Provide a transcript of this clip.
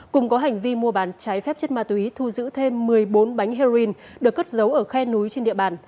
cùng có hành vi mua bán trái phép chất ma túy thu giữ thêm một mươi bốn bánh heroin được cất giấu ở khe núi trên địa bàn